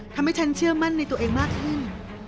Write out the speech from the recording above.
ทำให้ฉันเชื่อมั่นในตัวเองมากขึ้น